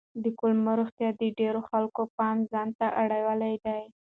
د کولمو روغتیا د ډېرو خلکو پام ځان ته اړولی دی.